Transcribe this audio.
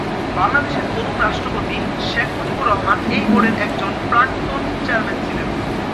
বাংলাদেশের প্রথম রাষ্ট্রপতি, শেখ মুজিবুর রহমান, এই বোর্ডের একজন প্রাক্তন চেয়ারম্যান ছিলেন।